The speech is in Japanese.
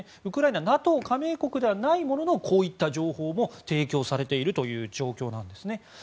ウクライナはＮＡＴＯ加盟国ではないもののこういった情報も提供されているという状況なんです。